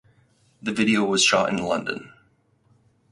The video was shot in London.